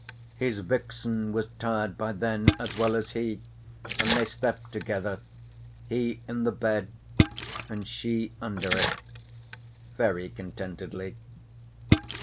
His vixen was tired by then, as well as he, and they slept together, he in the bed and she under it, very contentedly.